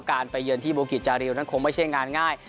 การไปเยือนที่บูกิจจาริวนั้นคงไม่ใช่งานง่าย